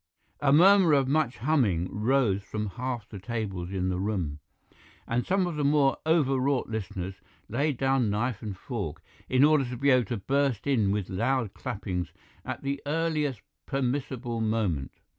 A murmur of much humming rose from half the tables in the room, and some of the more overwrought listeners laid down knife and fork in order to be able to burst in with loud clappings at the earliest permissible moment.